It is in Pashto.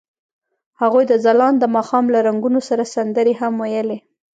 هغوی د ځلانده ماښام له رنګونو سره سندرې هم ویلې.